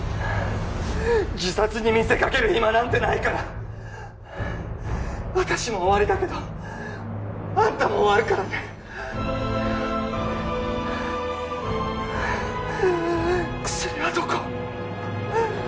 自殺に見せかけるヒマなんてないから私も終わりだけどあんたも終わるからね薬はどこ？